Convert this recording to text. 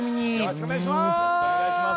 よろしくお願いします